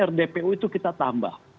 rdpu itu kita tambah